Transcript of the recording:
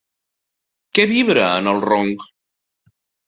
Què vibra en el ronc?